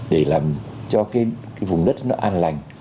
để làm cho cái vùng đất nó an lành